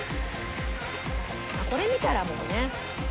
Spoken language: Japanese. これ見たらもうね。